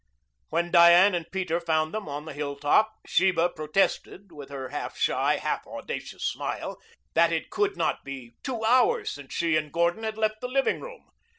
When Diane and Peter found them on the hilltop, Sheba protested, with her half shy, half audacious smile, that it could not be two hours since she and Gordon had left the living room.